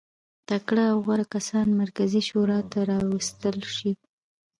تکړه او غوره کسان مرکزي شورا ته راوستل شي.